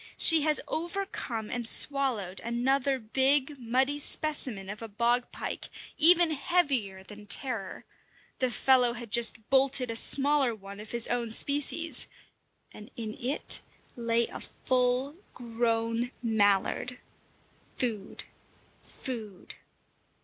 She has overcome and swallowed another big, muddy specimen of a bog pike, even heavier than Terror; the fellow had just bolted a smaller one of his own species, and in it lay a full grown mallard. Food! Food!